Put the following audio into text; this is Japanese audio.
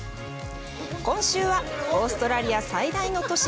今週は、オーストラリア最大の都市